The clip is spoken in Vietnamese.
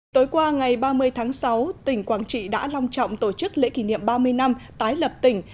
tối qua ngày ba mươi tháng sáu tỉnh quảng trị đã long trọng tổ chức lễ kỷ niệm ba mươi năm tái lập tỉnh